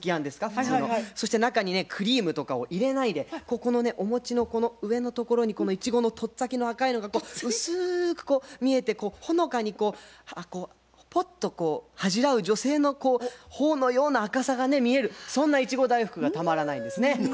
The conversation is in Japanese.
そして中にねクリームとかを入れないでこのねお餅のこの上のところにこのいちごの突先の赤いのが薄くこう見えてほのかにこうぽっと恥じらう女性の頬のような赤さが見えるそんないちご大福がたまらないんですね。